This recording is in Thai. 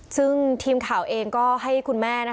ซึ่งทีมข่าวเองก็ให้คุณแม่นะคะ